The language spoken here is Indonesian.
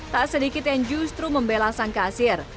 tak sedikit yang justru membela sang kasir